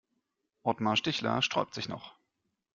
Otmar Stichler sträubt sich noch.